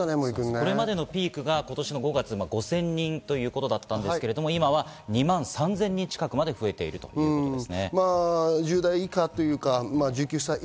これまでのピークが５０００人台ということだったんですが、今２万３０００人近くまで増えています。